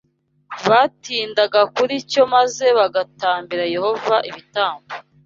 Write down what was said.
batindaga kuri cyo maze bagatambira Yehova ibitambo